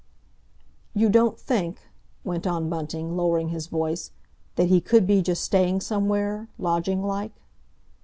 "You don't think," went on Bunting, lowering his voice, "that he could be just staying somewhere, lodging like?"